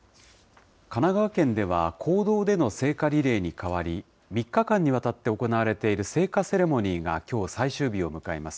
神奈川県では公道での聖火リレーに代わり、３日間にわたって行われている聖火セレモニーがきょう、最終日を迎えます。